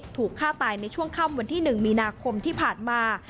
ถูกฆ่าตายในช่วงค่ำวันที่๑มีนาคมที่ผ่านมา